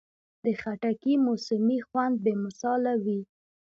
د خټکي موسمي خوند بې مثاله وي.